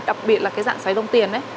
đặc biệt là dạng xoáy đồng tiền